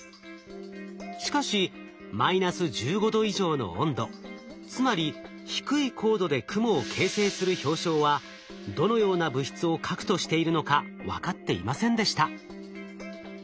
しかしマイナス１５℃以上の温度つまり低い高度で雲を形成する氷晶はどのような物質を核としているのか分かっていませんでした。